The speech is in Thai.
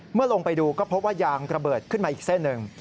ลงไปดูก็พบว่ายางระเบิดขึ้นมาอีกเส้นหนึ่ง